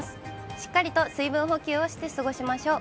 しっかりと水分補給をして過ごしましょう。